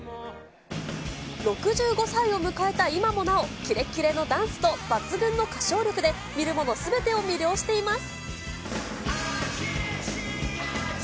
６５歳を迎えた今もなお、キレキレのダンスと、抜群の歌唱力で見る者すべてを魅了しています。